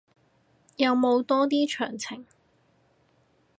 有冇多啲詳情